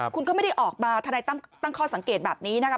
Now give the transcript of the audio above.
คุณก็ไม่ได้ออกมาทนายตั้มตั้งข้อสังเกตแบบนี้นะคะ